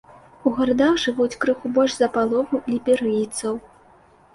У гарадах жывуць крыху больш за палову ліберыйцаў.